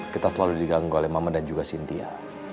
kita selalu diganggu oleh mama dan juga cynthia